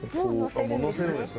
「もうのせるんですね」